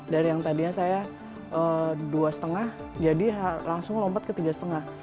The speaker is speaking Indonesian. dari yang tadinya saya dua lima jadi langsung lompat ke tiga lima